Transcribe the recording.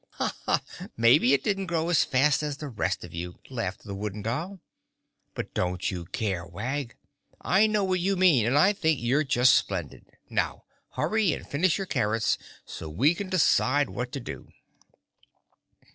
"Maybe it didn't grow as fast as the rest of you," laughed the Wooden Doll. "But don't you care, Wag. I know what you mean and I think you're just splendid! Now hurry and finish your carrots so we can decide what to do.